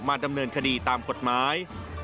ดำเนินคดีตามกฎหมาย